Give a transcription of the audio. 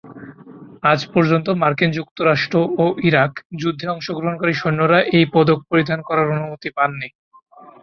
আজ পর্যন্ত মার্কিন যুক্তরাষ্ট্র ও ইরাক যুদ্ধে অংশগ্রহণকারী সৈন্যরা এই পদক পরিধান করার অনুমতি পাননি।